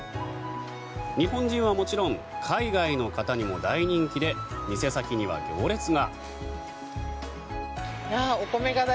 日本人はもちろん海外の方にも大人気で店先には行列が。